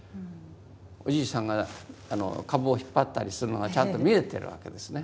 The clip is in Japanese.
おじいさんがカブを引っ張ったりするのがちゃんと見えてるわけですね。